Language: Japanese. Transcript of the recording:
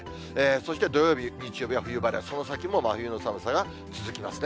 そして土曜日、日曜日は冬晴れ、その先も真冬の寒さが続きますね。